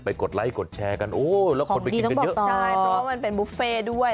ไปกดไลค์กดแชร์กันโอ้แล้วคนไปกินกันเยอะของดีต้องบอกต่อใช่เพราะว่ามันเป็นบุฟเฟ่ด้วย